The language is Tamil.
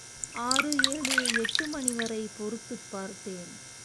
ஆறு, ஏழு, எட்டு மணிவரை பொறுத்துப் பார்த்தேன்.